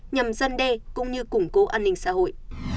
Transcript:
nhằm gian đe cũng như củng cố an ninh xã hội